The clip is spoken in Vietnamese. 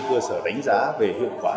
cơ sở đánh giá về hiệu quả